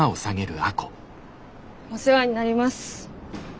お世話になります。